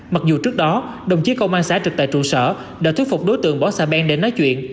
mặc dù trước đó đồng chí công an xã trực tại trụ sở đã thuyết phục đối tượng bỏ xa ben để nói chuyện